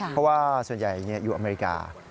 เพราะว่าส่วนใหญ่อยู่อเมริกา